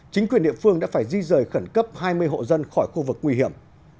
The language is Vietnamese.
chính quyền địa phương đã phải di rời khẩn cấp hai mươi hộ dân khỏi khu vực nguy hiểm